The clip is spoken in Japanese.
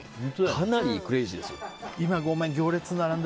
かなりクレイジーですよ。